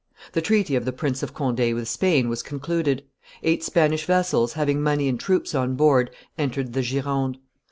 The treaty of the Prince of Conde with Spain was concluded: eight Spanish vessels, having money and troops on board, entered the Gironde.